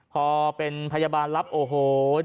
พอเป็นพยาบาลรับโอ้โห